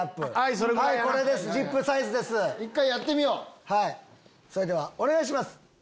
それではお願いします。